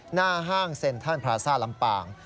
หน้าห้างเซ็นท่านพระอาซาลำปาง